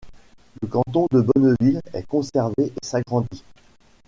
Le canton de Bonneville est conservé et s'agrandit.